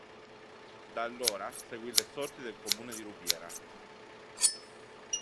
Da allora seguì le sorti del comune di Rubiera.